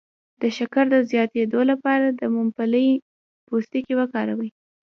د شکر د زیاتیدو لپاره د ممپلی پوستکی وکاروئ